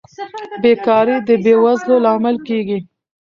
بېکاري د بې وزلۍ لامل کیږي.